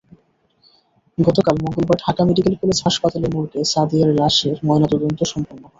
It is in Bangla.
গতকাল মঙ্গলবার ঢাকা মেডিকেল কলেজ হাসপাতালের মর্গে সাদিয়ার লাশের ময়নাতদন্ত সম্পন্ন হয়।